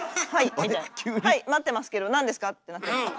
「はい待ってますけど何ですか？」ってなったり。